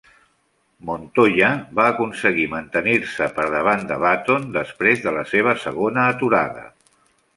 Montoya va aconseguir mantenir-se per davant de Button després de la seva segona aturada.